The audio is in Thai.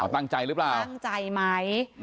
ตั้งใจหรือเปล่าตั้งใจไหม